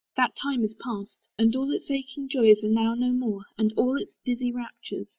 That time is past, And all its aching joys are now no more, And all its dizzy raptures.